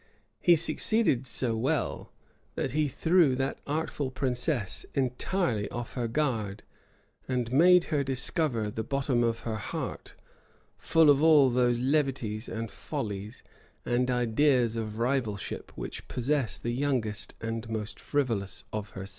He succeeded so well, that he threw that artful princess entirely off her guard,[] and made her discover the bottom of her heart, full of all those levities, and follies, and ideas of rivalship which possess the youngest and most frivolous of her sex.